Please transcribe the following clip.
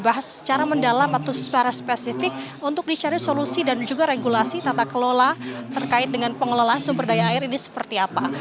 bahas secara mendalam atau secara spesifik untuk dicari solusi dan juga regulasi tata kelola terkait dengan pengelolaan sumber daya air ini seperti apa